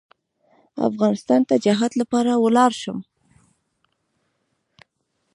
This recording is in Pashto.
افغانستان ته جهاد لپاره ولاړ شم.